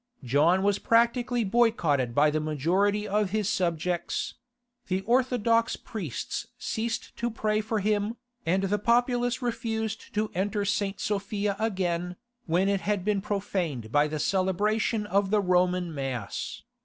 John was practically boycotted by the majority of his subjects; the Orthodox priests ceased to pray for him, and the populace refused to enter St. Sophia again, when it had been profaned by the celebration of the Roman Mass.